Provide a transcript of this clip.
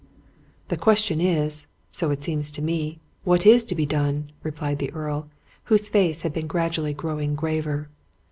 "The question is so it seems to me what is to be done," replied the Earl, whose face had been gradually growing graver.